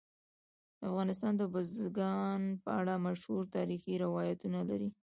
افغانستان د بزګان په اړه مشهور تاریخی روایتونه لري.